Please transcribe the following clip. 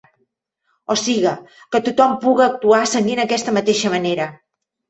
O siga, que tothom puga actuar seguint aquesta mateixa manera.